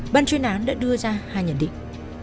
ban chuyên án đã đưa ra hai nhận định